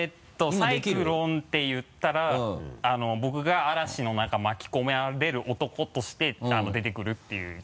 「サイクロン」って言ったら僕が嵐の中巻き込まれる男として出てくるっていうギャグです。